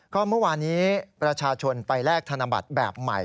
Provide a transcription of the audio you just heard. ก็เมื่อวานี้ประชาชนไปแลกธนบัตรแบบใหม่